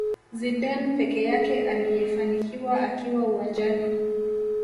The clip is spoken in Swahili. Zidane peke yake aliyefanikiwa akiwa uwanjani